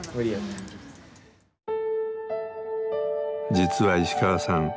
実は石川さん